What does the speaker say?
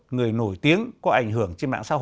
người nổi tiếng có ảnh hưởng